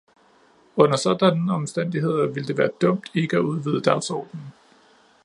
Under sådanne omstændigheder ville det være dumt ikke at udvide dagsordenen.